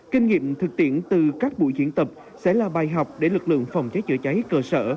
kinh nghiệm thực tiễn từ các buổi diễn tập sẽ là bài học để lực lượng phòng cháy chữa cháy cơ sở